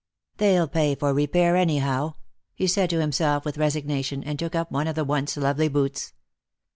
" They'll pay for repair anyhow," he said to himself with, resignation, and took up one of the once lovely boots.